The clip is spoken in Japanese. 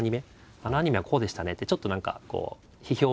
あのアニメはこうでしたねってちょっと何かこう批評みたいな。